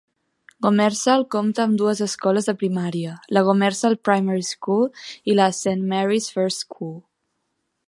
Gomersal compta amb dues escoles de primària: la Gomersal Primary School i la Saint Mary's First School.